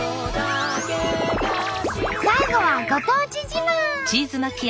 最後はご当地自慢。